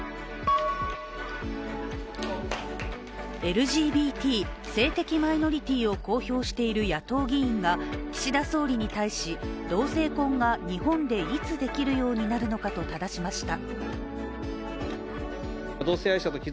ＬＧＢＴ＝性的マイノリティを公表している野党議員が、岸田総理に対し、同性婚が日本でいつできるようになるのかとただしました。